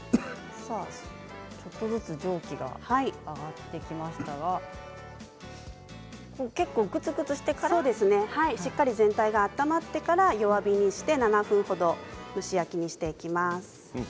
ちょっとずつ蒸気が上がってきましたがしっかり全体が温まってから弱火にして７分程蒸し焼きにしていきます。